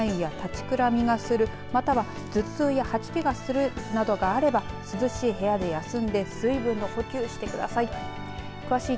目まいや立ちくらみがするまたは頭痛や吐き気がするなどがあれば涼しい部屋で休んで水分の補給してください。